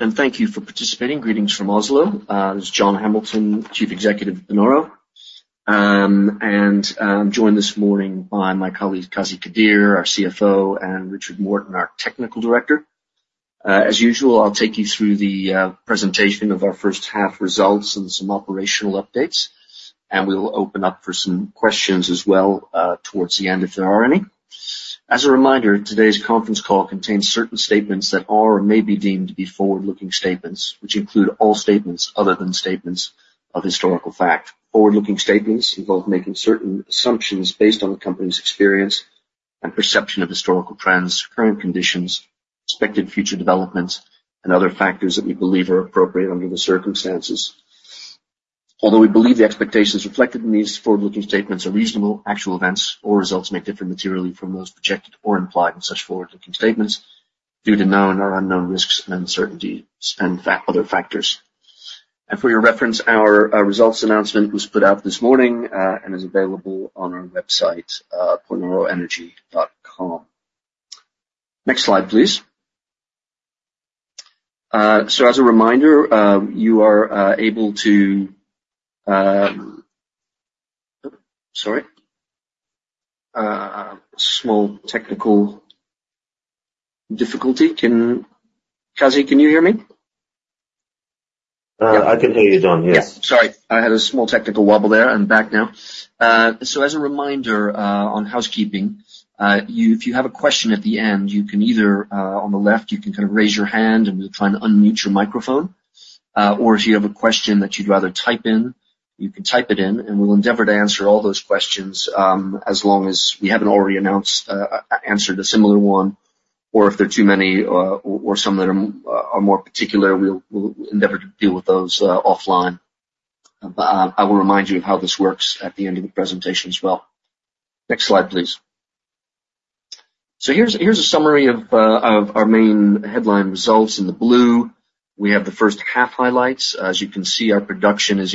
Thank you for participating. Greetings from Oslo. This is John Hamilton, Chief Executive of Panoro. I'm joined this morning by my colleague, Qazi Qadeer, our CFO, and Richard Morton, our Technical Director. As usual, I'll take you through the presentation of our first half results and some operational updates, and we will open up for some questions as well towards the end, if there are any. As a reminder, today's conference call contains certain statements that are or may be deemed to be forward-looking statements, which include all statements other than statements of historical fact. Forward-looking statements involve making certain assumptions based on the company's experience and perception of historical trends, current conditions, expected future developments, and other factors that we believe are appropriate under the circumstances. Although we believe the expectations reflected in these forward-looking statements are reasonable, actual events or results may differ materially from those projected or implied in such forward-looking statements due to known or unknown risks and uncertainties and other factors. And for your reference, our results announcement was put out this morning, and is available on our website, panoroenergy.com. Next slide, please. So as a reminder, you are able to... Sorry. A small technical difficulty. Qazi, can you hear me? I can hear you, John. Yes. Yeah. Sorry, I had a small technical wobble there. I'm back now. So as a reminder, on housekeeping, if you have a question at the end, you can either, on the left, you can kind of raise your hand and we'll try to unmute your microphone. Or if you have a question that you'd rather type in, you can type it in, and we'll endeavor to answer all those questions, as long as we haven't already announced, answered a similar one, or if there are too many, or some that are more particular, we'll endeavor to deal with those, offline. But, I will remind you of how this works at the end of the presentation as well. Next slide, please. So here's a summary of our main headline results in the blue. We have the first half highlights. As you can see, our production has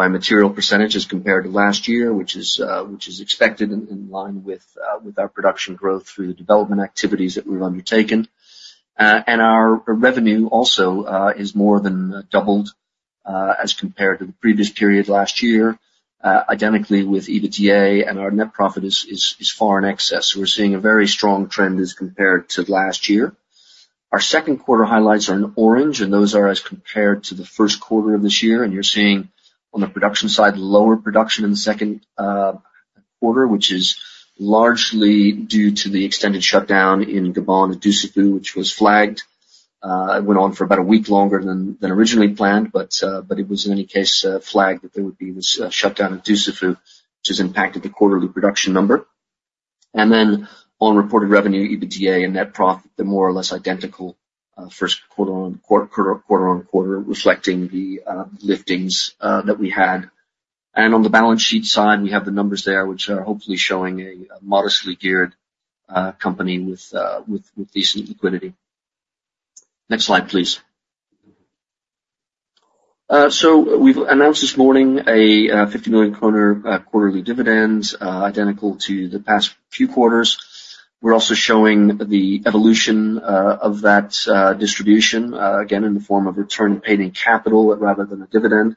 increased by material percentage as compared to last year, which is expected in line with our production growth through the development activities that we've undertaken. And our revenue also is more than doubled as compared to the previous period last year. Identically with EBITDA, and our net profit is far in excess. We're seeing a very strong trend as compared to last year. Our second quarter highlights are in orange, and those are as compared to the first quarter of this year, and you're seeing on the production side, lower production in the second quarter, which is largely due to the extended shutdown in Gabon and Dusafu, which was flagged. It went on for about a week longer than originally planned, but it was, in any case, flagged that there would be this shutdown in Dusafu, which has impacted the quarterly production number. And then on reported revenue, EBITDA and net profit, they're more or less identical, first quarter on quarter, quarter on quarter, reflecting the liftings that we had. And on the balance sheet side, we have the numbers there, which are hopefully showing a modestly geared company with decent liquidity. Next slide, please. So we've announced this morning a 50 million kroner quarterly dividend, identical to the past few quarters. We're also showing the evolution of that distribution, again, in the form of return of capital rather than a dividend.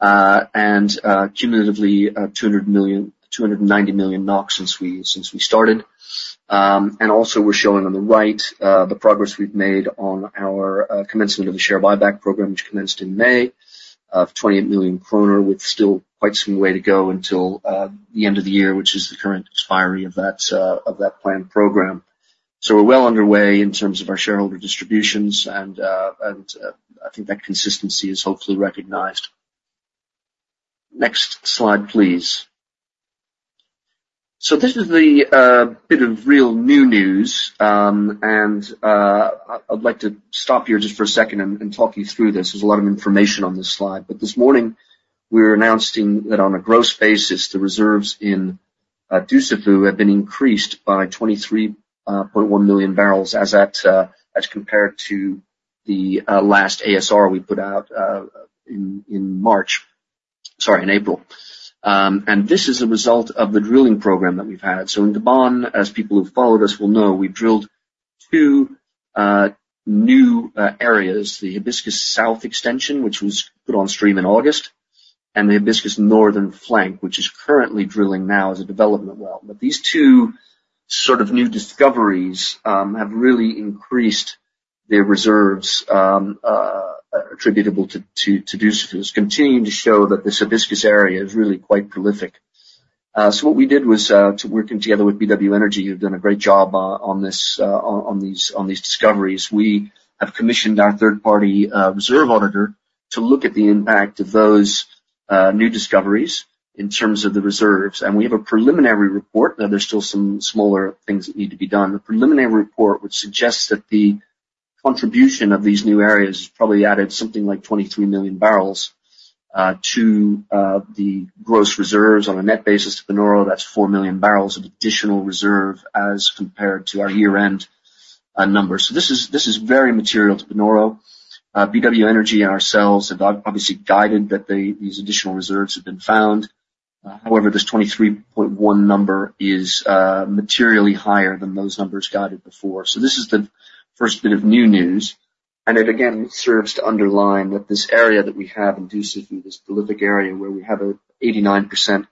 And, cumulatively, 290 million NOK since we started. And also we're showing on the right, the progress we've made on our commencement of the share buyback program, which commenced in May, of 28 million kroner, with still quite some way to go until the end of the year, which is the current expiry of that planned program. So we're well underway in terms of our shareholder distributions and I think that consistency is hopefully recognized. Next slide, please. So this is the bit of real new news, and I'd like to stop here just for a second and talk you through this. There's a lot of information on this slide, but this morning we're announcing that on a gross basis, the reserves in Dusafu have been increased by 23.1 million bbl, as at, as compared to the last ASR we put out in April. And this is a result of the drilling program that we've had. So in Gabon, as people who've followed us will know, we drilled two new areas: the Hibiscus South extension, which was put on stream in August, and the Hibiscus Northern Flank, which is currently drilling now as a development well. But these two sort of new discoveries have really increased the reserves attributable to Dusafu, continuing to show that this Hibiscus area is really quite prolific. So what we did was to working together with BW Energy, who've done a great job on these discoveries. We have commissioned our third-party reserve auditor to look at the impact of those new discoveries in terms of the reserves. We have a preliminary report, now there's still some smaller things that need to be done. The preliminary report, which suggests that the contribution of these new areas probably added something like 23 million bbl to the gross reserves. On a net basis to Panoro, that's 4 million bbl of additional reserve as compared to our year-end numbers. This is very material to Panoro. BW Energy and ourselves have obviously guided that these additional reserves have been found. However, this 23.1 number is materially higher than those numbers guided before. So this is the first bit of new news, and it again serves to underline that this area that we have in Dusafu, this prolific area where we have a 89%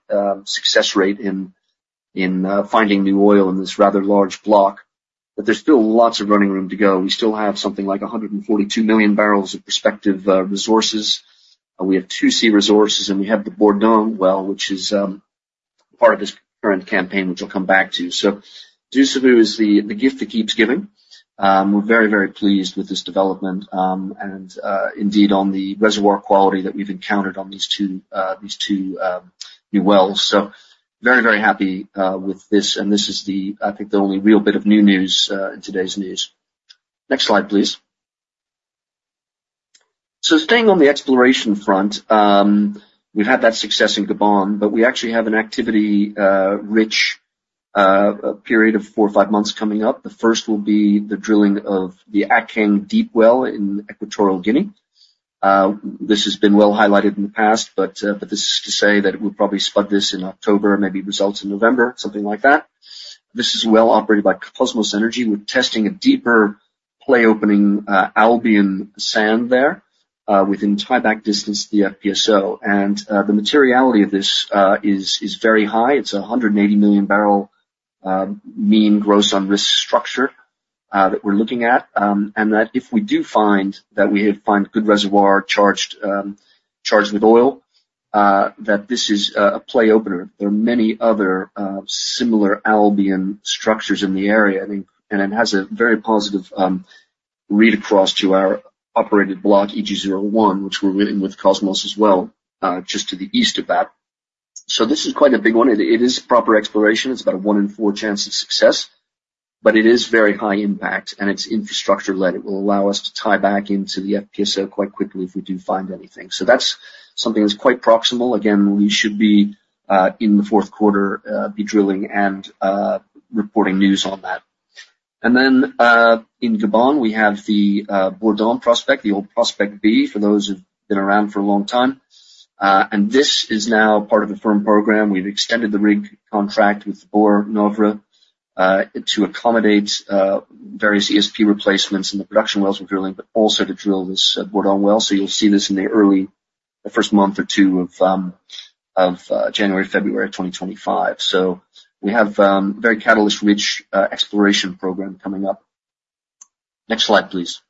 success rate in finding new oil in this rather large block, that there's still lots of running room to go. We still have something like 142 million bbl of prospective resources, and we have 2C resources, and we have the Bourdon well, which is part of this current campaign, which we'll come back to. So Dusafu is the gift that keeps giving. We're very, very pleased with this development, and indeed, on the reservoir quality that we've encountered on these two new wells. So very, very happy with this, and this is the, I think, the only real bit of new news in today's news. Next slide, please. So staying on the exploration front, we've had that success in Gabon, but we actually have an activity rich period of four or five months coming up. The first will be the drilling of the Akeng Deep well in Equatorial Guinea. This has been well highlighted in the past, but this is to say that it will probably spud this in October, maybe results in November, something like that. This is a well operated by Kosmos Energy. We're testing a deeper play opening, Albian sand there, within tieback distance, the FPSO. The materiality of this is very high. It's a 180 million bbl mean gross on risk structure that we're looking at. And that if we do find good reservoir charged with oil, that this is a play opener. There are many other similar Albian structures in the area, I think, and it has a very positive read across to our operated block, EG01, which we're running with Kosmos as well, just to the east of that. So this is quite a big one. It is proper exploration. It's about a one in four chance of success, but it is very high impact, and it's infrastructure led. It will allow us to tie back into the FPSO quite quickly if we do find anything, so that's something that's quite proximal. Again, we should be in the fourth quarter drilling and reporting news on that, and then in Gabon, we have the Bourdon prospect, the old Prospect B, for those who've been around for a long time, and this is now part of a firm program. We've extended the rig contract with Borr Norve to accommodate various ESP replacements in the production wells we're drilling, but also to drill this Bourdon well, so you'll see this in the early, the first month or two of January, February of 2025, so we have very catalyst-rich exploration program coming up. Next slide, please.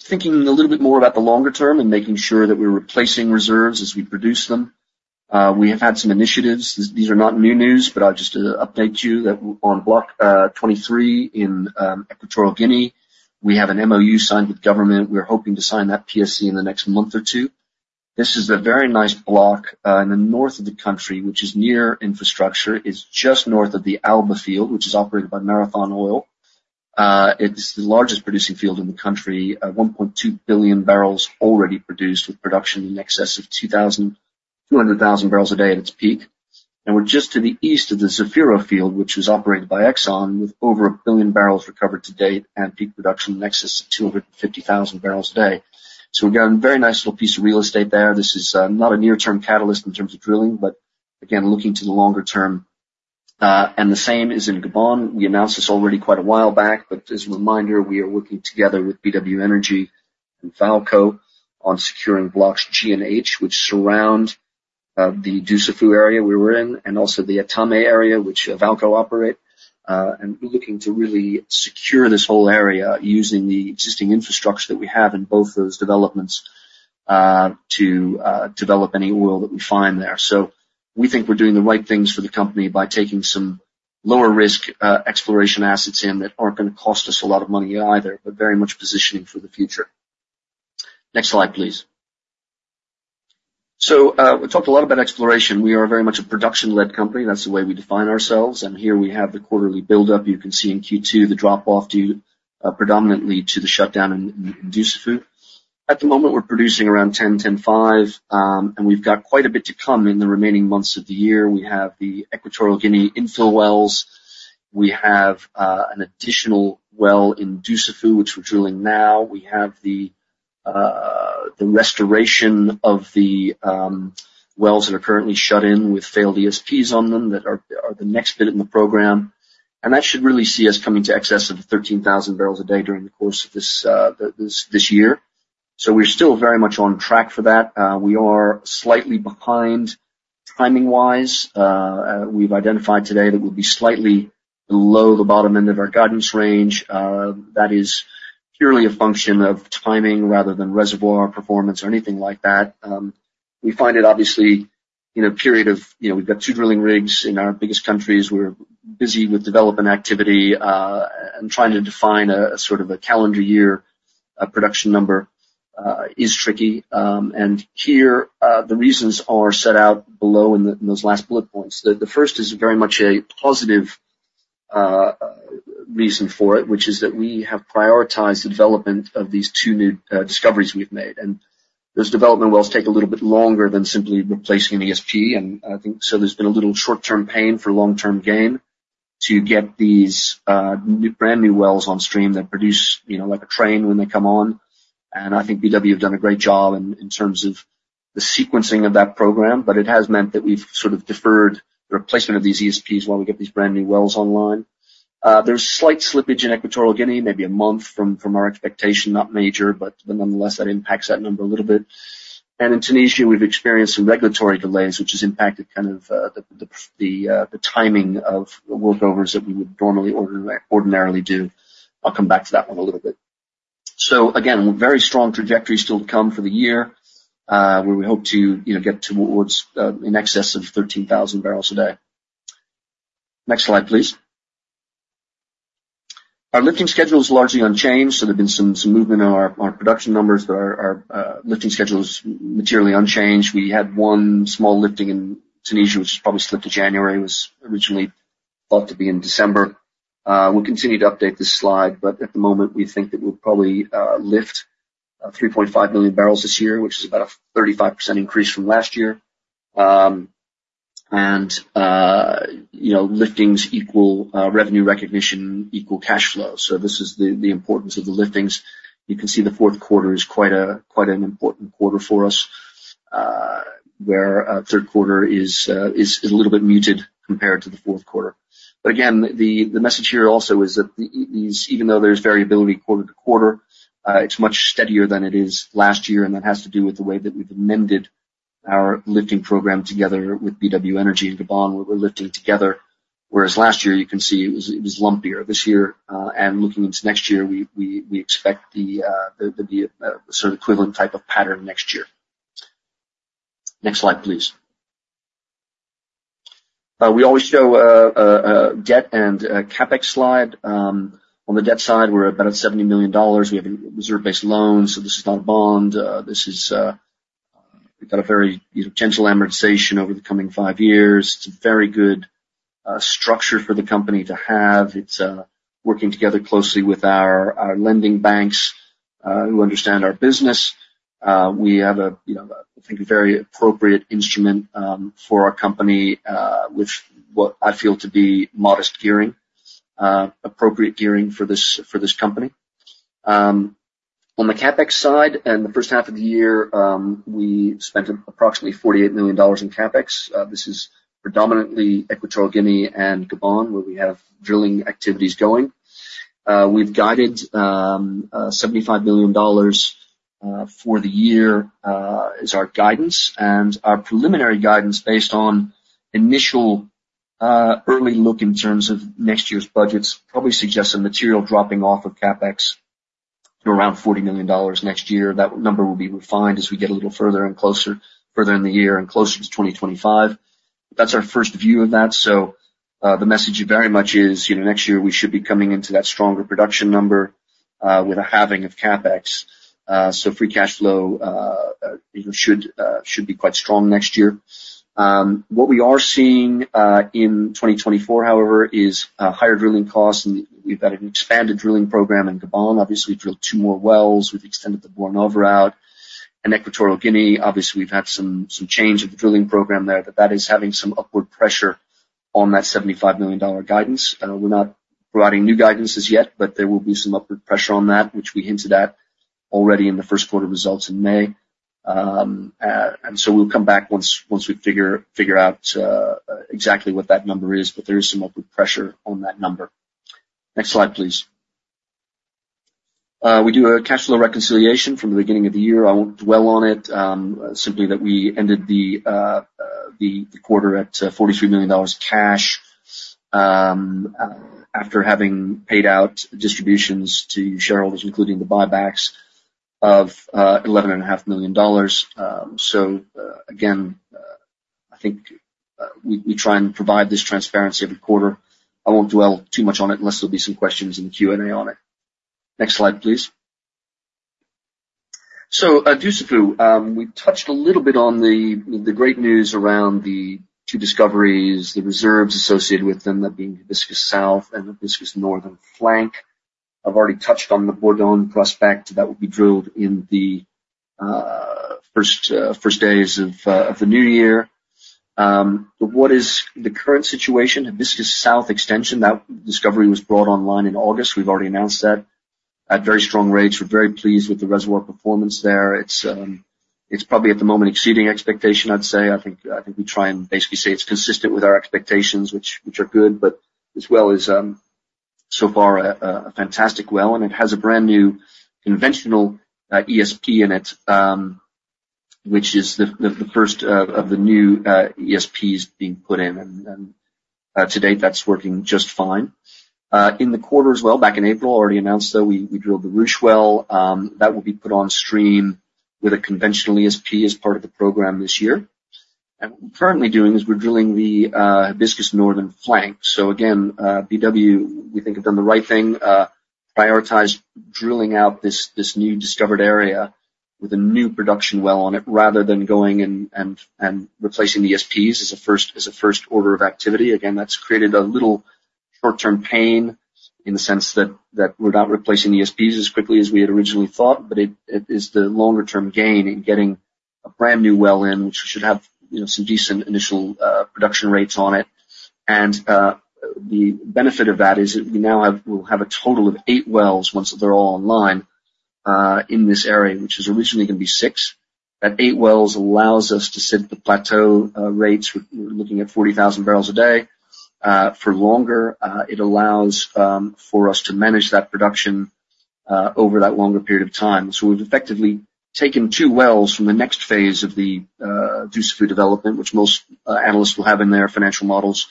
Thinking a little bit more about the longer term and making sure that we're replacing reserves as we produce them, we have had some initiatives. These are not new news, but I'll just update you that on Block 23 in Equatorial Guinea, we have an MOU signed with government. We're hoping to sign that PSC in the next month or two. This is a very nice block in the north of the country, which is near infrastructure. It's just north of the Alba field, which is operated by Marathon Oil. It's the largest producing field in the country, 1.2 billion bbl already produced with production in excess of 200,000 bbl a day at its peak. And we're just to the east of the Zafiro field, which is operated by Exxon, with over 1 billion bbl recovered to date and peak production in excess of 250,000 bbl a day. So we've got a very nice little piece of real estate there. This is not a near-term catalyst in terms of drilling, but again, looking to the longer term. The same is in Gabon. We announced this already quite a while back, but as a reminder, we are working together with BW Energy and Vaalco on securing Blocks G and H, which surround the Dusafu area we were in, and also the Etame area, which Vaalco operate. And we're looking to really secure this whole area using the existing infrastructure that we have in both those developments to develop any oil that we find there. So we think we're doing the right things for the company by taking some lower risk, exploration assets in that aren't going to cost us a lot of money either, but very much positioning for the future. Next slide, please. We talked a lot about exploration. We are very much a production-led company. That's the way we define ourselves, and here we have the quarterly buildup. You can see in Q2, the drop-off due, predominantly to the shutdown in Dusafu. At the moment, we're producing around 10, 10.5, and we've got quite a bit to come in the remaining months of the year. We have the Equatorial Guinea infill wells. We have, an additional well in Dusafu, which we're drilling now. We have the restoration of the wells that are currently shut in with failed ESPs on them that are the next bit in the program. And that should really see us coming to excess of 13,000 bbl a day during the course of this year. So we're still very much on track for that. We are slightly behind timing-wise. We've identified today that we'll be slightly below the bottom end of our guidance range. That is purely a function of timing rather than reservoir performance or anything like that. We find it obviously, in a period of... You know, we've got two drilling rigs in our biggest countries. We're busy with development activity and trying to define a sort of a calendar year production number is tricky. And here, the reasons are set out below in those last bullet points. The first is very much a positive reason for it, which is that we have prioritized the development of these two new discoveries we've made. And those development wells take a little bit longer than simply replacing an ESP. And I think so there's been a little short-term pain for long-term gain to get these new, brand new wells on stream that produce, you know, like a train when they come on. And I think BW have done a great job in terms of the sequencing of that program, but it has meant that we've sort of deferred the replacement of these ESPs while we get these brand new wells online. There's slight slippage in Equatorial Guinea, maybe a month from our expectation, not major, but nonetheless, that impacts that number a little bit. And in Tunisia, we've experienced some regulatory delays, which has impacted kind of the timing of workovers that we would normally ordinarily do. I'll come back to that one in a little bit. So again, very strong trajectory still to come for the year, where we hope to, you know, get towards in excess of 13,000 bbl a day. Next slide, please. Our lifting schedule is largely unchanged, so there's been some movement in our production numbers. Our lifting schedule is materially unchanged. We had one small lifting in Tunisia, which probably slipped to January. It was originally thought to be in December. We'll continue to update this slide, but at the moment, we think that we'll probably lift 3.5 million bbl this year, which is about a 35% increase from last year. You know, liftings equal revenue recognition, equal cash flow. So this is the importance of the liftings. You can see the fourth quarter is quite an important quarter for us, where our third quarter is a little bit muted compared to the fourth quarter. But again, the message here also is that even though there's variability quarter to quarter, it's much steadier than it is last year, and that has to do with the way that we've amended our lifting program together with BW Energy and Gabon, where we're lifting together. Whereas last year, you can see it was lumpier. This year, and looking into next year, we expect the sort of equivalent type of pattern next year. Next slide, please. We always show a debt and CapEx slide. On the debt side, we're about at $70 million. We have a reserve-based loan, so this is not a bond. This is, we've got a very, you know, gentle amortization over the coming five years. It's a very good structure for the company to have. It's working together closely with our lending banks, who understand our business. We have a, you know, I think, a very appropriate instrument for our company, which what I feel to be modest gearing, appropriate gearing for this company. On the CapEx side, in the first half of the year, we spent approximately $48 million in CapEx. This is predominantly Equatorial Guinea and Gabon, where we have drilling activities going. We've guided $75 million for the year, is our guidance. And our preliminary guidance based on initial early look in terms of next year's budgets, probably suggests a material dropping off of CapEx to around $40 million next year. That number will be refined as we get a little further and closer, further in the year and closer to 2025. That's our first view of that. The message very much is, you know, next year we should be coming into that stronger production number with a halving of CapEx. So free cash flow, you know, should be quite strong next year. What we are seeing in 2024, however, is higher drilling costs, and we've got an expanded drilling program in Gabon. Obviously, we drilled two more wells. We've extended the Bourdon, and Equatorial Guinea, obviously, we've had some change of the drilling program there, but that is having some upward pressure on that $75 million guidance. We're not providing new guidances yet, but there will be some upward pressure on that, which we hinted at already in the first quarter results in May. And so we'll come back once we figure out exactly what that number is, but there is some upward pressure on that number. Next slide, please. We do a cash flow reconciliation from the beginning of the year. I won't dwell on it. Simply that we ended the quarter at $43 million cash, after having paid out distributions to shareholders, including the buybacks of $11.5 million. So, again, I think we try and provide this transparency every quarter. I won't dwell too much on it, unless there'll be some questions in the Q&A on it. Next slide, please. Dusafu, we touched a little bit on the great news around the two discoveries, the reserves associated with them, that being Hibiscus South and Hibiscus Northern Flank. I've already touched on the Bourdon prospect that will be drilled in the first days of the new year. But what is the current situation? Hibiscus South Extension, that discovery was brought online in August. We've already announced that at very strong rates. We're very pleased with the reservoir performance there. It's probably at the moment exceeding expectation, I'd say. I think we try and basically say it's consistent with our expectations, which are good, but this well is so far a fantastic well, and it has a brand new conventional ESP in it, which is the first of the new ESPs being put in, and to date, that's working just fine. In the quarter as well, back in April, already announced that we drilled the Ruche well. That will be put on stream with a conventional ESP as part of the program this year, and what we're currently doing is we're drilling the Hibiscus Northern Flank. So again, BW, we think, have done the right thing, prioritize drilling out this new discovered area with a new production well on it, rather than going and replacing the ESPs as a first order of activity. Again, that's created a little short-term pain in the sense that we're not replacing the ESPs as quickly as we had originally thought, but it is the longer term gain in getting a brand new well in, which should have, you know, some decent initial production rates on it. And, the benefit of that is that we'll have a total of eight wells once they're all online, in this area, which is originally going to be six. That eight wells allows us to sit at the plateau rates. We're looking at 40,000 bbl a day for longer. It allows for us to manage that production over that longer period of time. So we've effectively taken two wells from the next phase of the Dusafu development, which most analysts will have in their financial models.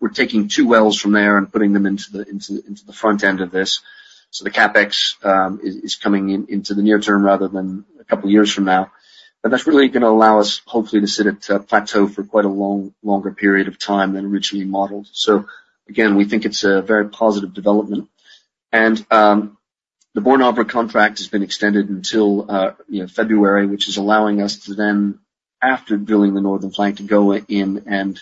We're taking two wells from there and putting them into the front end of this. So the CapEx is coming into the near term rather than a couple of years from now. But that's really gonna allow us, hopefully, to sit at plateau for quite a longer period of time than originally modeled. So again, we think it's a very positive development. The Borr Norve contract has been extended until, you know, February, which is allowing us to then, after drilling the northern flank, to go in and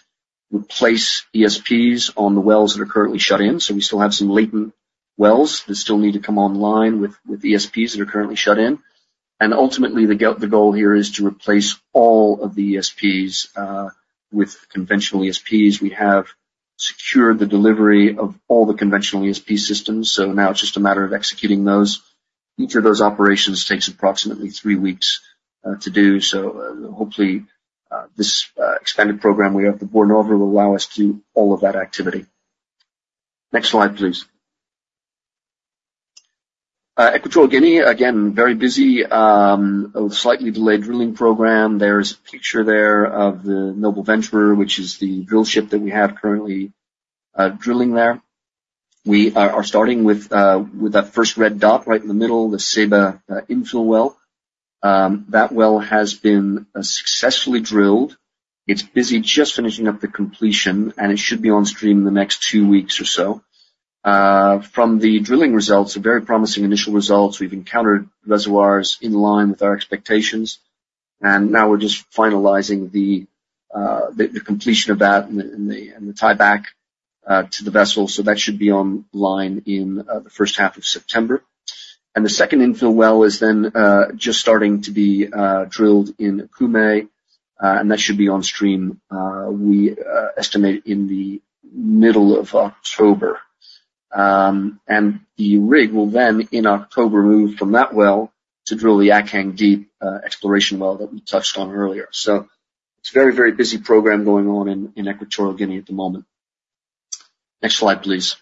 replace ESPs on the wells that are currently shut in. So we still have some latent wells that still need to come online with, with ESPs that are currently shut in. And ultimately, the goal here is to replace all of the ESPs, with conventional ESPs. We have secured the delivery of all the conventional ESP systems, so now it is just a matter of executing those. Each of those operations takes approximately three weeks, to do. So, hopefully, this, expanded program we have, the Borr Norve, will allow us to do all of that activity. Next slide, please. Equatorial Guinea, again, very busy, a slightly delayed drilling program. There's a picture there of the Noble Venturer, which is the drill ship that we have currently drilling there. We are starting with that first red dot right in the middle, the Ceiba infill well. That well has been successfully drilled. It's busy just finishing up the completion, and it should be on stream in the next two weeks or so. From the drilling results, a very promising initial results. We've encountered reservoirs in line with our expectations, and now we're just finalizing the completion of that and the tieback to the vessel. So that should be online in the first half of September. The second infill well is then just starting to be drilled in Okume, and that should be on stream, we estimate in the middle of October. The rig will then, in October, move from that well to drill the Akeng Deep exploration well that we touched on earlier. It's a very, very busy program going on in Equatorial Guinea at the moment. Next slide, please.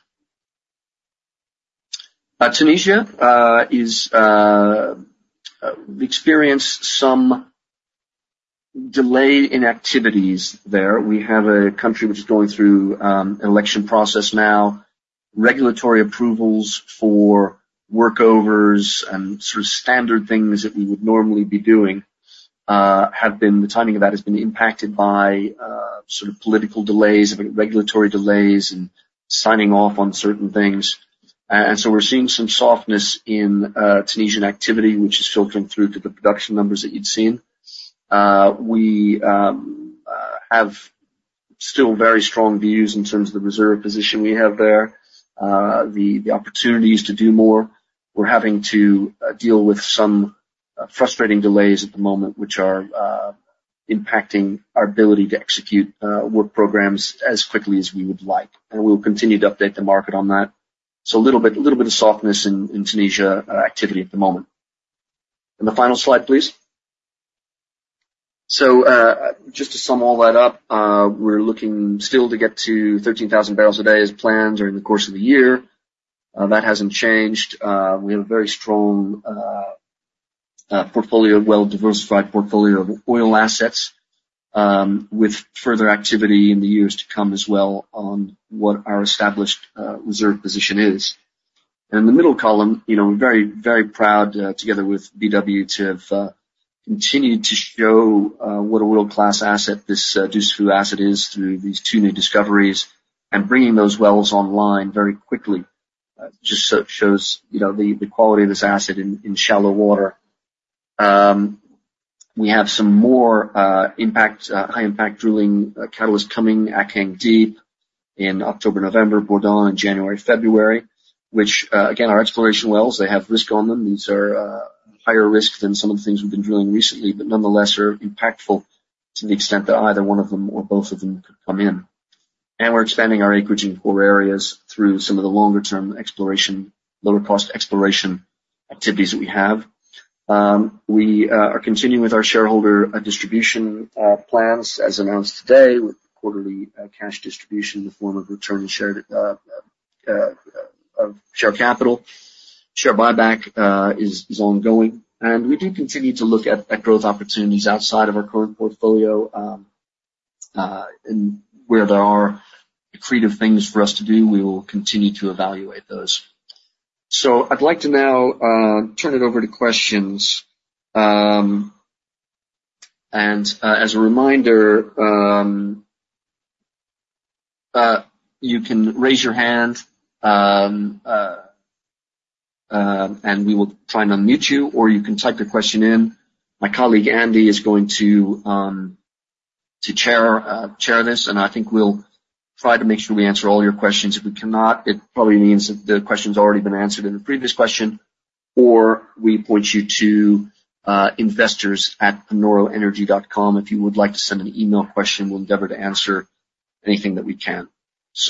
Tunisia is we experienced some delay in activities there. We have a country which is going through an election process now. Regulatory approvals for workovers and sort of standard things that we would normally be doing have been. The timing of that has been impacted by sort of political delays, regulatory delays and signing off on certain things. And so we're seeing some softness in Tunisian activity, which is filtering through to the production numbers that you'd seen. We have still very strong views in terms of the reserve position we have there. The opportunities to do more. We're having to deal with some frustrating delays at the moment, which are impacting our ability to execute work programs as quickly as we would like, and we'll continue to update the market on that. So a little bit of softness in Tunisian activity at the moment. And the final slide, please. So just to sum all that up, we're looking still to get to 13,000 bbl a day as planned during the course of the year. That hasn't changed. We have a very strong portfolio, well-diversified portfolio of oil assets, with further activity in the years to come as well on what our established reserve position is. In the middle column, you know, we're very, very proud together with BW to have continued to show what a world-class asset this Dusafu asset is through these two new discoveries and bringing those wells online very quickly. Just so shows, you know, the quality of this asset in shallow water. We have some more impact high impact drilling catalysts coming Akeng Deep in October, November, Bourdon in January, February, which again are exploration wells. They have risk on them. These are higher risk than some of the things we've been drilling recently, but nonetheless are impactful to the extent that either one of them or both of them could come in. And we're expanding our acreage in core areas through some of the longer-term exploration, lower cost exploration activities that we have. We are continuing with our shareholder distribution plans, as announced today, with quarterly cash distribution in the form of return of share capital. Share buyback is ongoing, and we do continue to look at growth opportunities outside of our current portfolio. And where there are accretive things for us to do, we will continue to evaluate those. So I'd like to now turn it over to questions. As a reminder, you can raise your hand, and we will try and unmute you, or you can type your question in. My colleague, Andy, is going to chair this, and I think we'll try to make sure we answer all your questions. If we cannot, it probably means that the question's already been answered in a previous question, or we point you to investors@panoroenergy.com. If you would like to send an email question, we'll endeavor to answer anything that we can.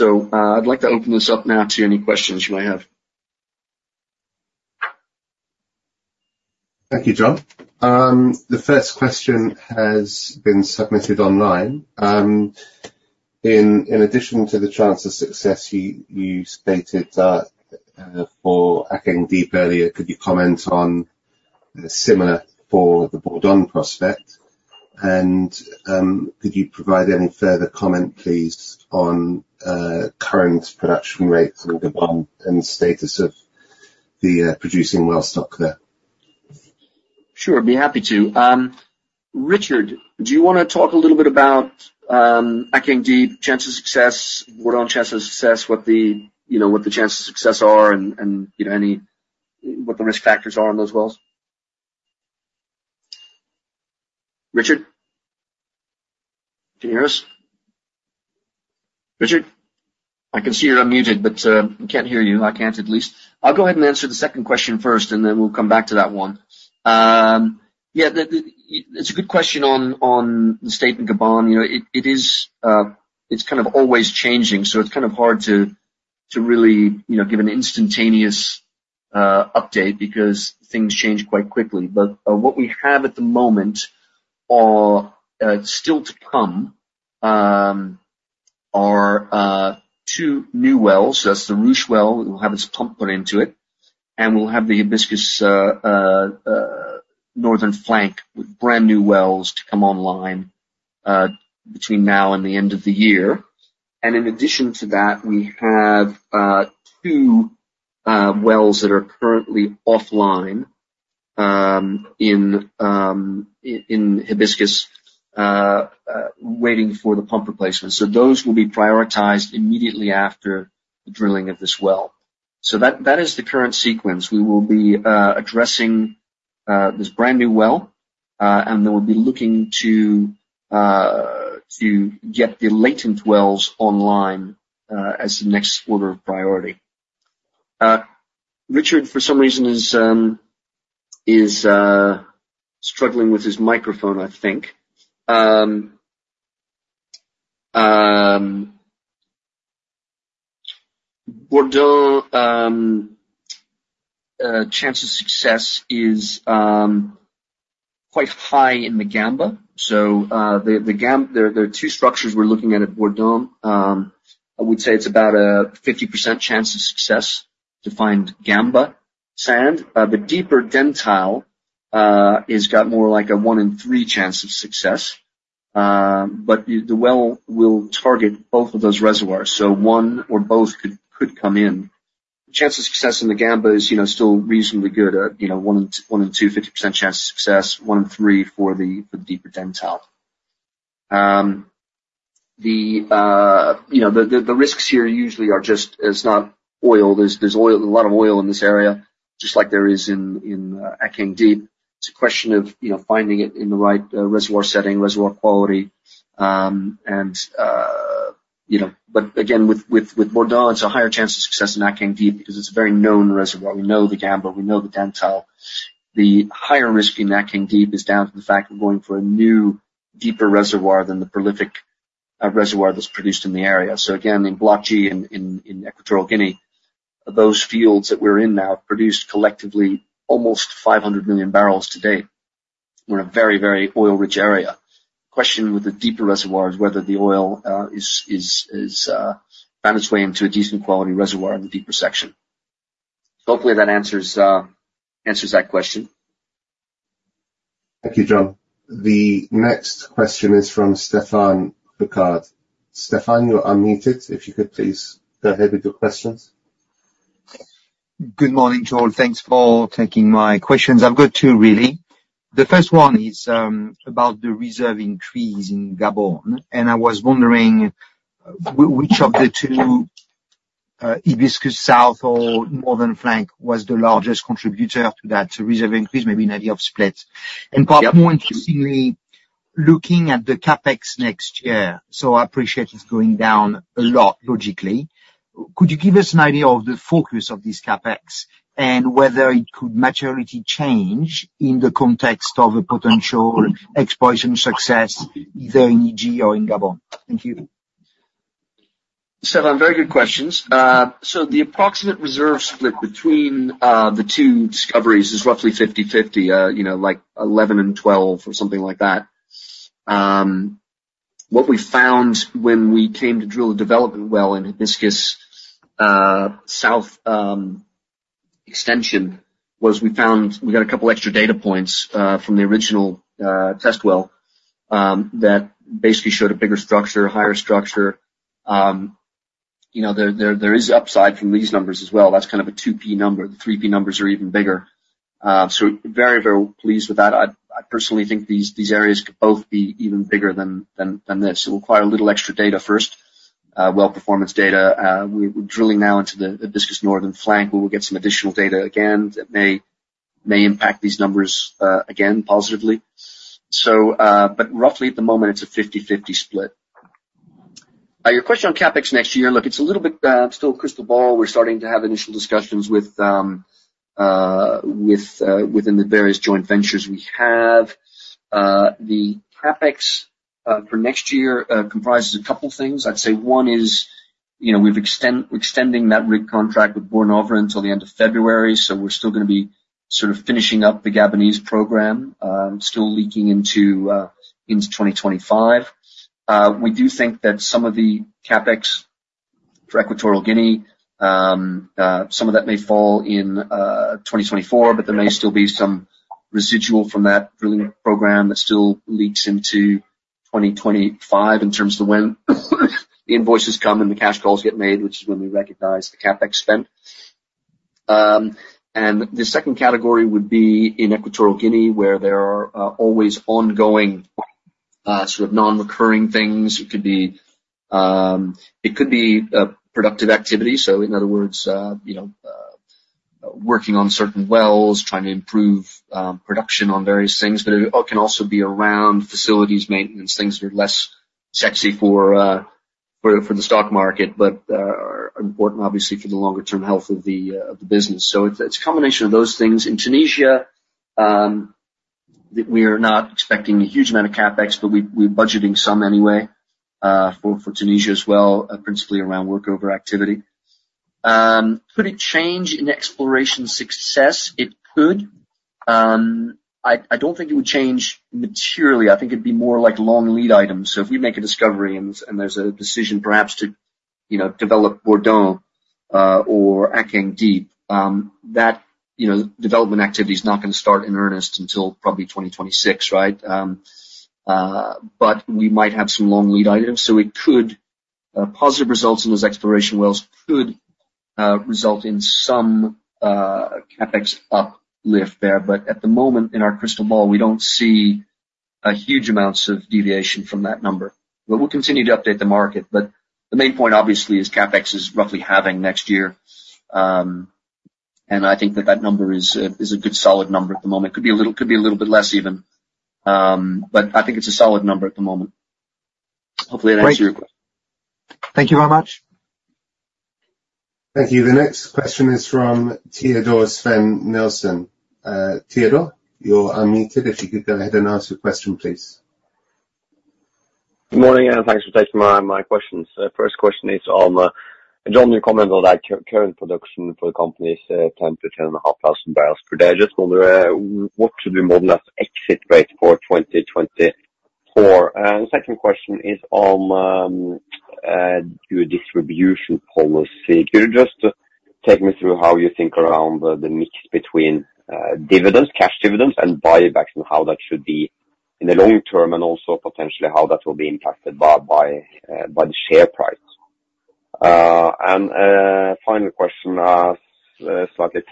I'd like to open this up now to any questions you may have. Thank you, John. The first question has been submitted online. In addition to the chance of success, you stated that for Akeng Deep earlier, could you comment on the similar for the Bourdon prospect? And could you provide any further comment, please, on current production rates in Gabon and the status of the producing well stock there? Sure, I'd be happy to. Richard, do you wanna talk a little bit about, Akeng Deep, chance of success, Bourdon chance of success, what the, you know, what the chance of success are and, and, you know, what the risk factors are on those wells? Richard, can you hear us? Richard, I can see you're unmuted, but, we can't hear you. I can't, at least. I'll go ahead and answer the second question first, and then we'll come back to that one. Yeah, the it's a good question on, on the situation, Gabon. You know, it is, it's kind of always changing, so it's kind of hard to really, you know, give an instantaneous update because things change quite quickly. But, what we have at the moment are still to come, are two new wells. That's the Ruche well. We'll have its pump put into it, and we'll have the Hibiscus northern flank with brand-new wells to come online between now and the end of the year. In addition to that, we have two wells that are currently offline in Hibiscus waiting for the pump replacement. So those will be prioritized immediately after the drilling of this well. So that is the current sequence. We will be addressing this brand-new well, and then we'll be looking to get the latent wells online as the next order of priority. Richard for some reason is struggling with his microphone I think. Bourdon chance of success is quite high in the Gamba. There are two structures we're looking at at Bourdon. I would say it's about a 50% chance of success to find Gamba Sand. The deeper Dentale has got more like a one in three chance of success. But the well will target both of those reservoirs, so one or both could come in. The chance of success in the Gamba is, you know, still reasonably good at, you know, one in two, 50% chance of success, one in three for the deeper Dentale. The risks here usually are just... It's not oil. There's oil, a lot of oil in this area, just like there is in Akeng Deep. It's a question of, you know, finding it in the right, reservoir setting, reservoir quality. And, you know, but again, with Bourdon, it's a higher chance of success than Akeng Deep, because it's a very known reservoir. We know the Gamba, we know the Dentale. The higher risk in Akeng Deep is down to the fact we're going for a new, deeper reservoir than the prolific, reservoir that's produced in the area. So again, in Block G, Equatorial Guinea, those fields that we're in now produced collectively almost 500 million bbl to date. We're in a very, very oil-rich area. Question with the deeper reservoir is whether the oil, is found its way into a decent quality reservoir in the deeper section. Hopefully, that answers that question. Thank you, John. The next question is from Stephane Foucaud. Stephane, you're unmuted, if you could please go ahead with your questions. Good morning, John. Thanks for taking my questions. I've got two, really. The first one is about the reserve increase in Gabon, and I was wondering which of the two, Hibiscus South or Northern Flank, was the largest contributor to that reserve increase, maybe an idea of splits? Yep. Perhaps more interestingly, looking at the CapEx next year, so I appreciate it's going down a lot, logically. Could you give us an idea of the focus of this CapEx and whether it could materially change in the context of a potential exploration success, either in Egypt or in Gabon? Thank you. Stefan, very good questions. So the approximate reserve split between the two discoveries is roughly 50/50, you know, like 11 and 12 or something like that. What we found when we came to drill a development well in Hibiscus South extension was we got a couple extra data points from the original test well that basically showed a bigger structure, a higher structure. You know, there is upside from these numbers as well. That's kind of a two P number. The three P numbers are even bigger. So very, very pleased with that. I personally think these areas could both be even bigger than this. It will require a little extra data first, well performance data. We're drilling now into the Hibiscus Northern Flank, where we'll get some additional data again, that may impact these numbers, again, positively. But roughly at the moment, it's a 50-50 split. Your question on CapEx next year, look, it's a little bit still crystal ball. We're starting to have initial discussions with, within the various joint ventures we have. The CapEx for next year comprises a couple things. I'd say one is, you know, we're extending that rig contract with Borr Norve until the end of February, so we're still gonna be sort of finishing up the Gabonese program, still leaking into 2025. We do think that some of the CapEx for Equatorial Guinea, some of that may fall in 2024, but there may still be some residual from that drilling program that still leaks into 2025 in terms of when the invoices come and the cash calls get made, which is when we recognize the CapEx spend, and the second category would be in Equatorial Guinea, where there are always ongoing sort of non-recurring things. It could be productive activity, so in other words, you know, working on certain wells, trying to improve production on various things, but it can also be around facilities, maintenance, things that are less sexy for the stock market, but are important obviously for the longer term health of the business. So it's a combination of those things. In Tunisia, we are not expecting a huge amount of CapEx, but we're budgeting some anyway, for Tunisia as well, principally around work over activity. Could it change in exploration success? It could. I don't think it would change materially. I think it'd be more like long lead items. So if we make a discovery and there's a decision perhaps to, you know, develop Bourdon, or Akeng Deep, that, you know, development activity is not gonna start in earnest until probably 2026, right? But we might have some long lead items. So it could, positive results in those exploration wells could, result in some, CapEx uplift there. But at the moment, in our crystal ball, we don't see a huge amounts of deviation from that number. But we'll continue to update the market. But the main point, obviously, is CapEx is roughly halving next year. And I think that number is a good solid number at the moment. Could be a little bit less even, but I think it's a solid number at the moment. Hopefully that answers your question. Thank you very much. Thank you. The next question is from Teodor Sveen-Nilsen. Teodor, you're unmuted. If you could go ahead and ask your question, please. Good morning, and thanks for taking my questions. First question is on, John, you commented on that current production for the company's 10-10.5 thousand bbl per day. I just wonder what should be model that exit rate for 2024? And the second question is on your distribution policy. Could you just take me through how you think around the mix between dividends, cash dividends, and buybacks, and how that should be in the long term, and also potentially how that will be impacted by the share price? And final question, slightly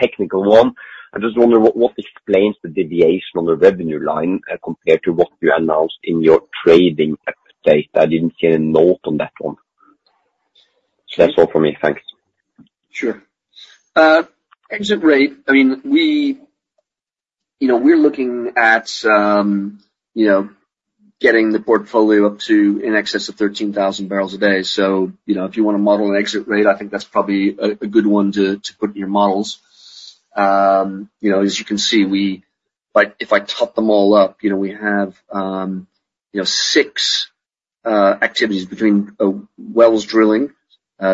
technical one. I just wonder what explains the deviation on the revenue line compared to what you announced in your trading update? I didn't see a note on that one. So that's all for me. Thanks. Sure. Exit rate, I mean, we, you know, we're looking at, you know, getting the portfolio up to in excess of 13,000 bbl a day. So, you know, if you wanna model an exit rate, I think that's probably a good one to put in your models. You know, as you can see, we, like, if I top them all up, you know, we have, you know, six activities between wells drilling,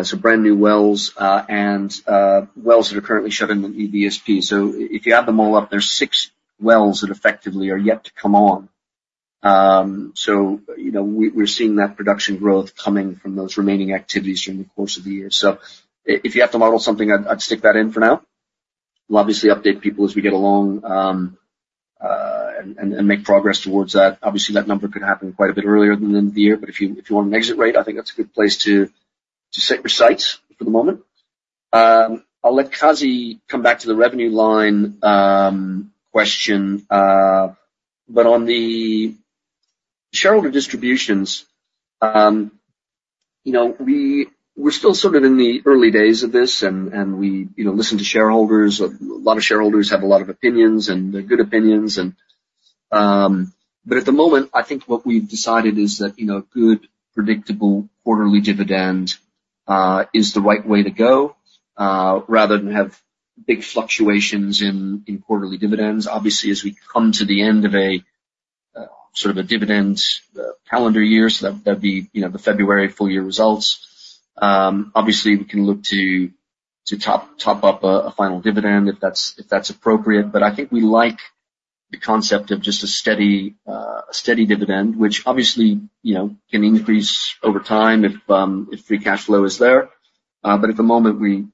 so brand new wells, and wells that are currently shut in the ESP. So if you add them all up, there's six wells that effectively are yet to come on. So, you know, we, we're seeing that production growth coming from those remaining activities during the course of the year. So if you have to model something, I'd stick that in for now. We'll obviously update people as we get along, and make progress towards that. Obviously, that number could happen quite a bit earlier than the end of the year, but if you want an exit rate, I think that's a good place to set your sights for the moment. I'll let Qazi come back to the revenue line question, but on the shareholder distributions, you know, we're still sort of in the early days of this and we you know listen to shareholders. A lot of shareholders have a lot of opinions, and they're good opinions, and. But at the moment, I think what we've decided is that you know good predictable quarterly dividend is the right way to go rather than have big fluctuations in quarterly dividends. Obviously, as we come to the end of a sort of a dividend calendar year, so that'd be, you know, the February full year results. Obviously, we can look to top up a final dividend, if that's appropriate. But I think we like the concept of just a steady dividend, which obviously, you know, can increase over time if free cash flow is there. But at the moment we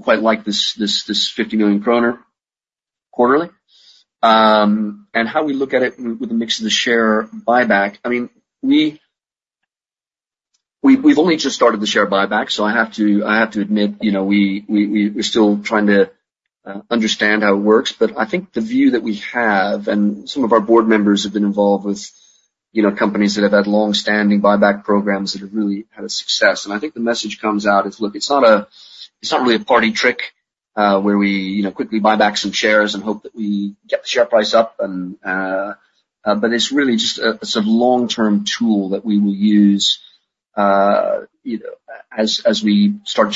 quite like this 50 million kroner quarterly, and how we look at it with the mix of the share buyback, I mean, we've only just started the share buyback, so I have to admit, you know, we're still trying to understand how it works. But I think the view that we have, and some of our board members have been involved with. You know, companies that have had long-standing buyback programs that have really had a success. And I think the message comes out is, look, it's not really a party trick, where we, you know, quickly buy back some shares and hope that we get the share price up and, but it's really just a sort of long-term tool that we will use, you know, as we start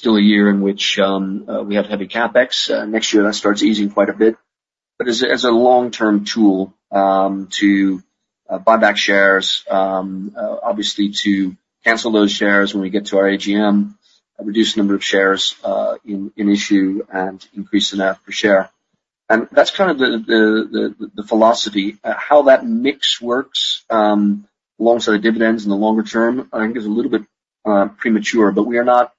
generating additional free cash flow. This year is obviously still a year in which we have heavy CapEx. Next year, that starts easing quite a bit. But as a long-term tool to buy back shares, obviously to cancel those shares when we get to our AGM and reduce the number of shares in issue and increase the net per share, and that's kind of the philosophy. How that mix works alongside the dividends in the longer term, I think is a little bit premature, but we are not,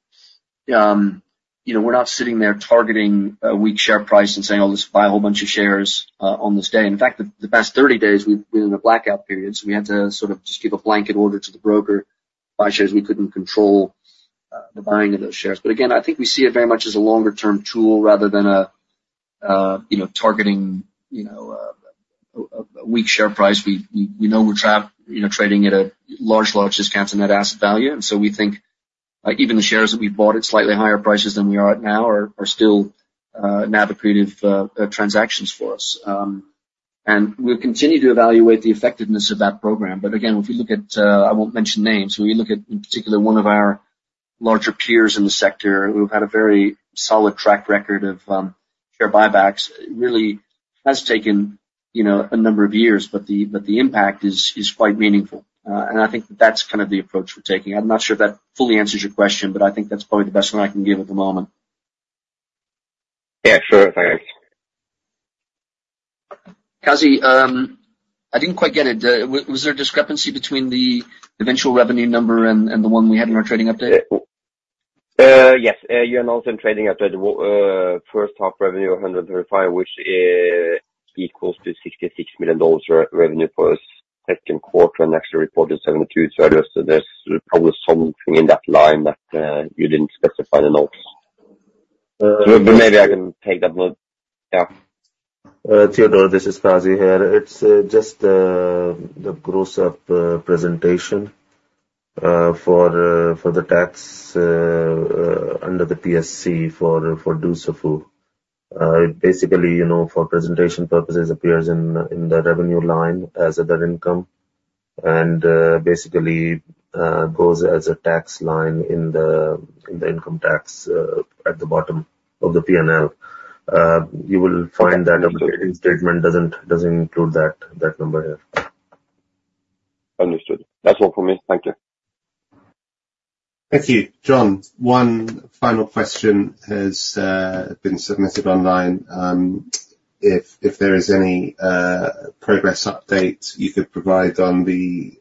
you know, we're not sitting there targeting a weak share price and saying, "Oh, let's buy a whole bunch of shares on this day." In fact, the past thirty days, we've been in a blackout period, so we had to sort of just give a blanket order to the broker, "Buy shares." We couldn't control the buying of those shares. But again, I think we see it very much as a longer term tool rather than a you know targeting you know a weak share price. We know we're trading at a large discount to net asset value, and so we think, like, even the shares that we bought at slightly higher prices than we are at now are still an accretive transactions for us. And we'll continue to evaluate the effectiveness of that program. But again, if you look at, I won't mention names. When you look at, in particular, one of our larger peers in the sector who've had a very solid track record of share buybacks, it really has taken you know a number of years, but the impact is quite meaningful. And I think that's kind of the approach we're taking. I'm not sure if that fully answers your question, but I think that's probably the best one I can give at the moment. Yeah, sure. Thanks. Qazi, I didn't quite get it. Was there a discrepancy between the eventual revenue number and the one we had in our trading update? Yes. You announced in trading update first half revenue of $135 million, which equals to $66 million revenue for us second quarter, and actually reported $72 million earlier, so there's probably something in that line that you didn't specify the notes. Maybe I can take that one. Yeah. Teodor, this is Qazi here. It's just the gross up presentation for the tax under the PSC for Dusafu. It basically, you know, for presentation purposes, appears in the revenue line as other income and basically goes as a tax line in the income tax at the bottom of the PNL. You will find that statement doesn't include that number here. Understood. That's all for me. Thank you. Thank you. John, one final question has been submitted online. If there is any progress update you could provide on the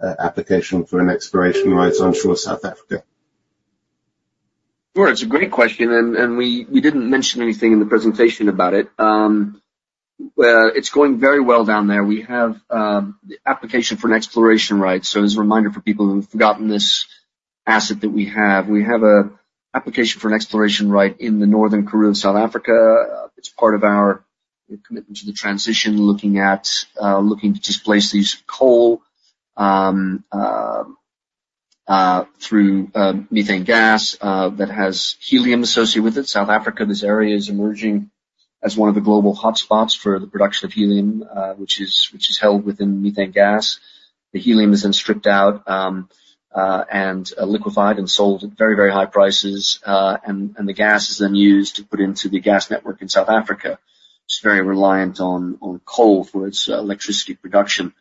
application for an exploration right onshore South Africa? Sure. It's a great question, and we didn't mention anything in the presentation about it. It's going very well down there. We have the application for an exploration right. So as a reminder for people who've forgotten this asset that we have, we have an application for an exploration right in the northern Karoo, South Africa. It's part of our commitment to the transition, looking to displace the use of coal through methane gas that has helium associated with it. South Africa, this area is emerging as one of the global hotspots for the production of helium, which is held within methane gas. The helium is then stripped out, and liquefied and sold at very, very high prices, and the gas is then used to put into the gas network in South Africa. It's very reliant on coal for its electricity production.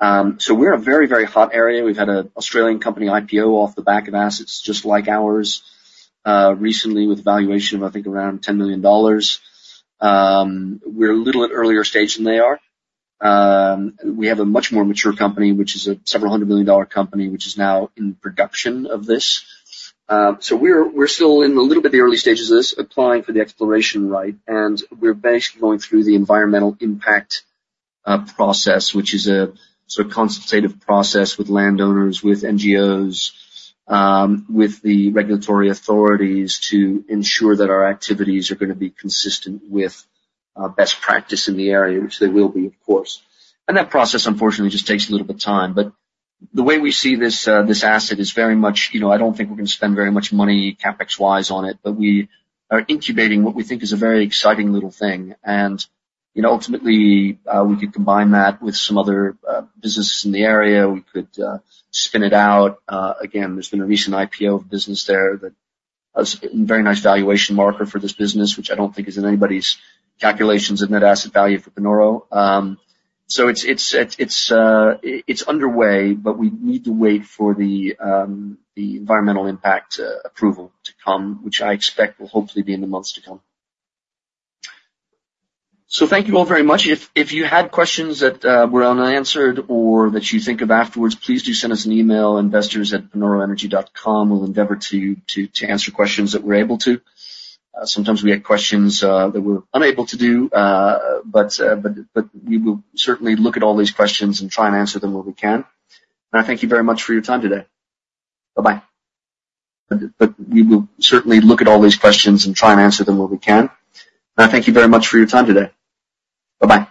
So we're a very, very hot area. We've had an Australian company IPO off the back of assets just like ours, recently with valuation of, I think, around $10 million. We're a little earlier stage than they are. We have a much more mature company, which is a several hundred million dollar company, which is now in production of this. So we're still in a little bit the early stages of this, applying for the exploration right, and we're basically going through the environmental impact process, which is a sort of consultative process with landowners, with NGOs, with the regulatory authorities to ensure that our activities are gonna be consistent with best practice in the area, which they will be, of course. And that process, unfortunately, just takes a little bit of time. But the way we see this asset is very much... You know, I don't think we're gonna spend very much money, CapEx-wise on it, but we are incubating what we think is a very exciting little thing. And, you know, ultimately, we could combine that with some other businesses in the area. We could spin it out. Again, there's been a recent IPO of business there that has a very nice valuation marker for this business, which I don't think is in anybody's calculations of net asset value for Panoro. So it's underway, but we need to wait for the environmental impact approval to come, which I expect will hopefully be in the months to come. Thank you all very much. If you had questions that were unanswered or that you think of afterwards, please do send us an email, investors@panoroenergy.com. We'll endeavor to answer questions that we're able to. Sometimes we get questions that we're unable to do, but we will certainly look at all these questions and try and answer them where we can. And I thank you very much for your time today. Bye-bye. But, we will certainly look at all these questions and try and answer them where we can. And I thank you very much for your time today. Bye-bye!